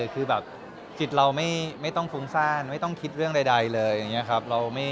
คือแบบจิตเราไม่ต้องฟุ้งซ่านไม่ต้องคิดเรื่องใดเลยอย่างนี้ครับ